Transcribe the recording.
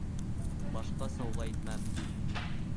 Башҡаса улай итмәм.